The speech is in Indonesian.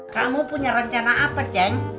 kamu punya rencana apa janji